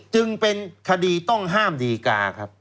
จึงเป็นคดีต้องห้ามดีกาครับ